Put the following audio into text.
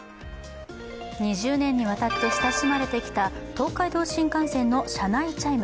２０年にわたって親しまれてきた東海道新幹線の車内チャイム。